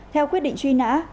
theo quyết định truy nã